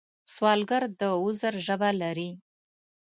سوالګر د عذر ژبه لري